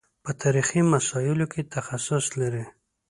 په تاریخي مسایلو کې تخصص لري.